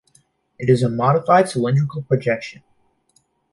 It is a modified cylindrical projection.